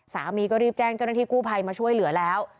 สามีก็รีบแจ้งเจ้าหน้าที่กู้ภัยมาช่วยเหลือแล้ว